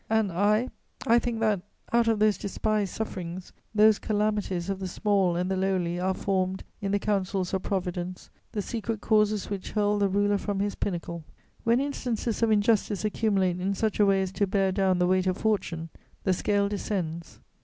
And I, I think that, out of those despised sufferings, those calamities of the small and the lowly, are formed, in the councils of Providence, the secret causes which hurl the ruler from his pinnacle. When instances of injustice accumulate in such a way as to bear down the weight of fortune, the scale descends.